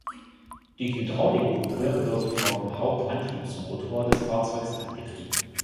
Die Hydraulikpumpe wird vom Haupt-Antriebsmotor des Fahrzeugs angetrieben.